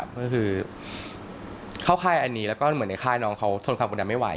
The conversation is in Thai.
ก็คือเข้าค่ายอันนี้แล้วก็เหมือนในค่ายน้องเขาทนความกดดันไม่ไหว